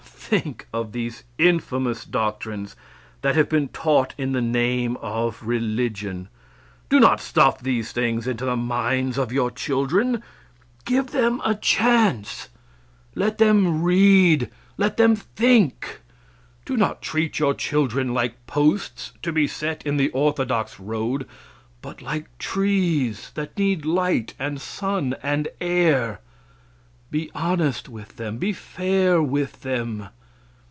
Think of these infamous doctrines that have been taught in the name of religion! Do not stuff these things into the minds of your children. Give them a chance. Let them read. Let them think. Do not treat your children like posts, to be set in the orthodox road, but like trees, that need light and sun and air. Be honest with them. Be fair with them.